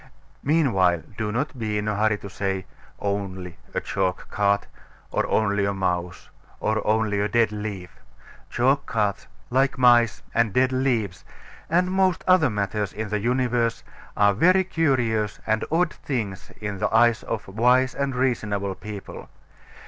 Meanwhile, do not be in a hurry to say, "Only a chalk cart," or only a mouse, or only a dead leaf. Chalk carts, like mice, and dead leaves, and most other matters in the universe are very curious and odd things in the eyes of wise and reasonable people.